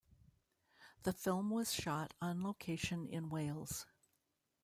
The film was shot on location in Wales.